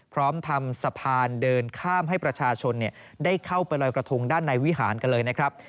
พร้อมทำสะพานเดินข้ามให้ประชาชนได้เข้าไปลอยกระทงด้านในวิหารกันเลยนะครับ